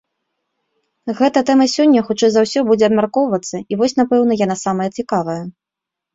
Гэтая тэма сёння, хутчэй за ўсё, будзе абмяркоўвацца, і вось, напэўна, яна самая цікавая.